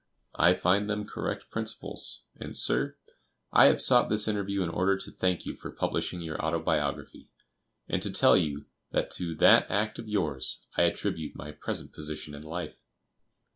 I find them correct principles; and, sir, I have sought this interview in order to thank you for publishing your autobiography, and to tell you that to that act of yours I attribute my present position in life."